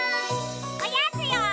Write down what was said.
おやつよ！